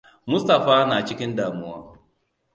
Mustaphaa na cikin damuwa.